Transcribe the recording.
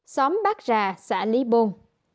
xóm bát rà xã lý buôn